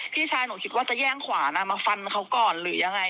พี่ชายหนูคิดว่าจะแย่งขวานมาฟันเขาก่อนหรือยังไง